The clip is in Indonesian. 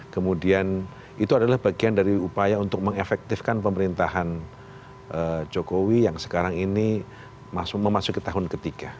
kemudian itu adalah bagian dari upaya untuk mengefektifkan pemerintahan jokowi yang sekarang ini memasuki tahun ketiga